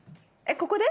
ここで？